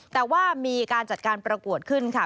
แต่ว่ามีการจัดการประกวดขึ้นค่ะ